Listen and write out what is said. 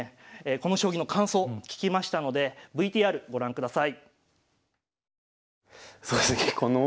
この将棋の感想聞きましたのでＶＴＲご覧ください。